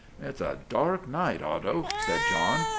" It 's a dark night, Otto," said John.